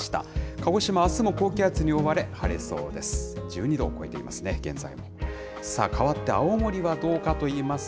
鹿児島、あすも高気圧に覆われ、晴れそうです。